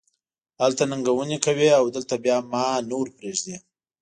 هلته ننګونې کوې او دلته بیا ما نه ور پرېږدې.